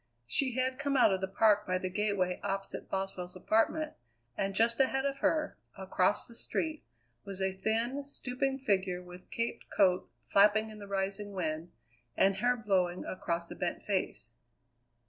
She had come out of the park by the gateway opposite Boswell's apartment, and just ahead of her, across the street, was a thin, stooping figure with caped coat flapping in the rising wind, and hair blowing across a bent face.